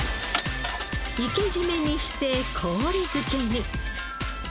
生け締めにして氷漬けに。